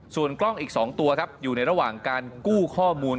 ส่วนกล้องอีก๒ตัวครับอยู่ในระหว่างการกู้ข้อมูล